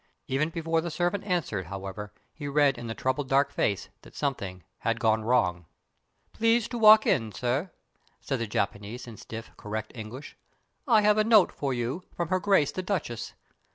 Even before the servant answered, however, he read in the troubled dark face that something had gone wrong. "Please to walk in, sir," said the Japanese, in stiff, correct English. "I have a note for you from Her Grace the Duchess.